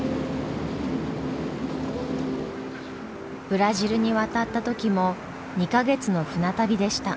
ブラジルに渡った時も２か月の船旅でした。